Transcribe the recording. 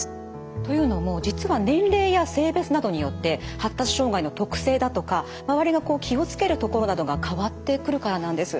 というのも実は年齢や性別などによって発達障害の特性だとか周りが気を付けるところなどが変わってくるからなんです。